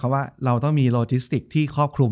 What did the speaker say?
จบการโรงแรมจบการโรงแรม